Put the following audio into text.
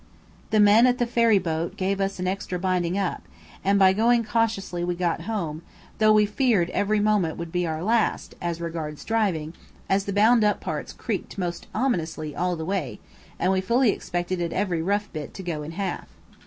The man at the ferry boat gave us an extra binding up, and by going cautiously we got home, though we feared every moment would be our last, as regards driving, as the bound up parts creaked most ominously all the way, and we fully expected at every rough bit to go in half.